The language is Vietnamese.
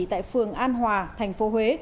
tại phường an hòa thành phố huế